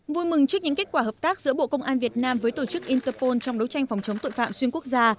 vui mừng trước những kết quả hợp tác giữa bộ công an việt nam với tổ chức interpol trong đấu tranh phòng chống tội phạm xuyên quốc gia